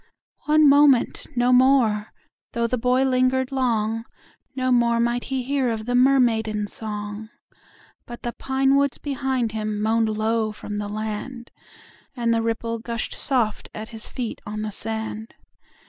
One moment, no more: though the boy linger'd long, No more might he hear of the mermaidens' song, But the pine woods behind him moan'd low from the land, And the ripple gush'd soft at his feet on the sand.